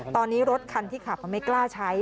ตอนนี้รถคันที่ขับไม่กล้าใช้